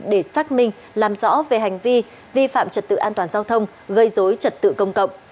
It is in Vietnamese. để xác minh làm rõ về hành vi vi phạm trật tự an toàn giao thông gây dối trật tự công cộng